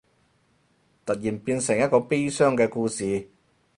突然變成一個悲傷嘅故事